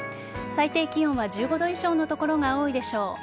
最低気温は１５度以上の所が多いでしょう。